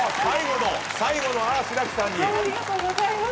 ありがとうございます。